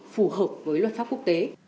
phù hợp với luật pháp quốc tế